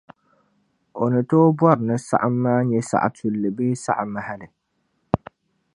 O ni tooi bɔri ni saɣim maa nye saɣitulli bee saɣimahili